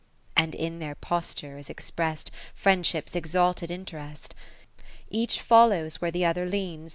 VII And in their posture is exprest Friendship's exalted interest : Each follows where the other leans.